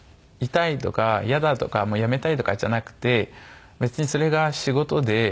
痛いとか嫌だとか辞めたいとかじゃなくて別にそれが仕事で。